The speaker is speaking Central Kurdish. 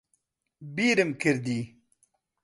بیرم کردی